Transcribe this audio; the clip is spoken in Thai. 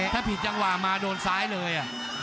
ถ้าผิดจังหวะมาโดนซ้ายเลย